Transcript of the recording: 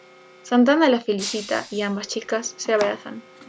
Santana la felicita y ambas chicas se abrazan.